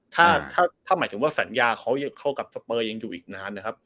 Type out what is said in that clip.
ถ้าหมายถึงว่าสัญญาเขากับสเปอร์ยังอยู่อีกนาน